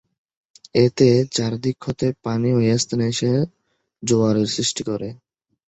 এতে চারদিক হতে পানি ঐ স্থানে এসে জোয়ারের সৃষ্টি করে।